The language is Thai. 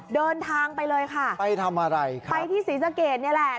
เดินทางไปเลยค่ะไปทำอะไรครับไปที่ศรีสะเกดนี่แหละ